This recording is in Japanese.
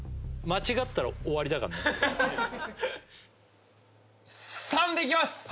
間違ったら終わりだからね３でいきます！